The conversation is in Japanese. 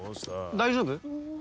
大丈夫？